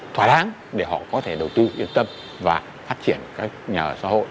thỏa đáng để họ có thể đầu tư yên tâm và phát triển các nhà ở xã hội